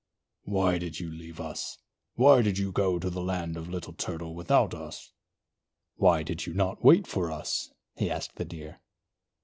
"Why did you leave us? Why did you go to the land of Little Turtle without us? Why did you not wait for us?" he asked the Deer.